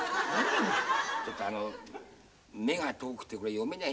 ちょっとあの目が遠くて読めないんだ。